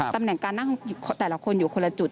ตำแหน่งการนั่งแต่ละคนอยู่คนละจุด